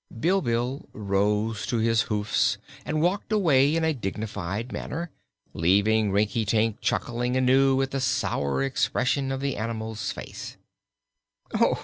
Bilbil rose to his hoofs and walked away in a dignified manner, leaving Rinkitink chuckling anew at the sour expression of the animal's face.